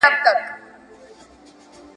د ادب تفسیر باید له تعصب پرته ترسره سي.